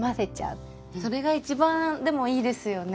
それが一番でもいいですよね。